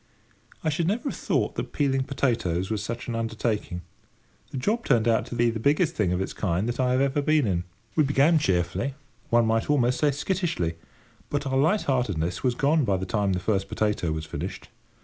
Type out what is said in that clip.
I should never have thought that peeling potatoes was such an undertaking. The job turned out to be the biggest thing of its kind that I had ever been in. We began cheerfully, one might almost say skittishly, but our light heartedness was gone by the time the first potato was finished.